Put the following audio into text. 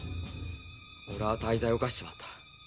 俺は大罪を犯しちまった。